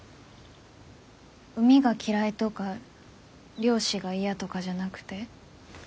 海が嫌いとか漁師が嫌とかじゃなくて？